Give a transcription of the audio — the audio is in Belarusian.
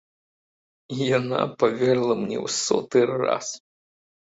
І яна паверыла мне ў соты раз.